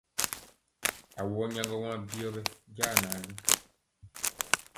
Awɔ nyaŋgɔ waŋ byɔ ɓɛ ja naalu.